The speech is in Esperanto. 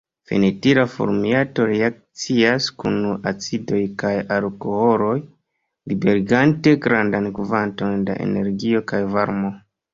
Fenetila formiato reakcias kun acidoj kaj alkoholoj liberigante grandan kvanton da energio kaj varmo.